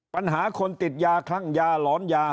ปัญหาคนติดยาคลั่งยาหลอนยา